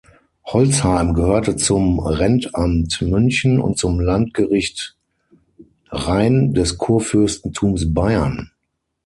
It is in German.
Holzheim gehörte zum Rentamt München und zum Landgericht Rain des Kurfürstentums Bayern.